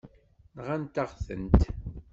Nɣant-aɣ-tent.